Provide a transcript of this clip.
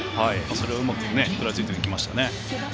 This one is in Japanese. それをうまく食らいついていきましたね。